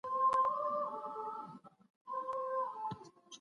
هغه د ښه اخلاقو استازيتوب کړی دی.